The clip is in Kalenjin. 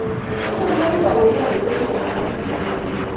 Imandai auyo iwe olin po London?